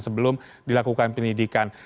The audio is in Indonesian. sebelum dilakukan pendidikan